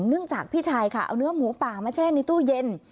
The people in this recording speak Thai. จากพี่ชายค่ะเอาเนื้อหมูป่ามาแช่ในตู้เย็น